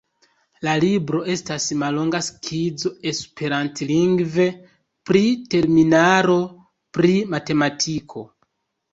La libro estas mallonga skizo esperantlingve pri terminaro pri matematiko.